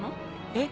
えっ？